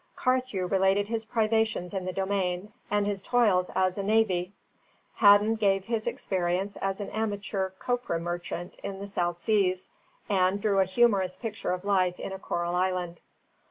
Carthew related his privations in the Domain and his toils as a navvy; Hadden gave his experience as an amateur copra merchant in the South Seas, and drew a humorous picture of life in a coral island.